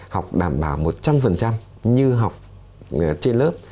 học đảm bảo một trăm linh như học trên lớp